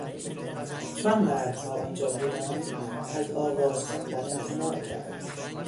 چون مردها آنجا بودند از آواز خواندن امتناع کرد.